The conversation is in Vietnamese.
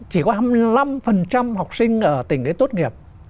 chỉ có hai mươi năm học sinh ở tỉnh đấy tốt nghiệp